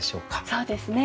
そうですね。